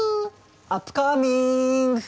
アップカミング！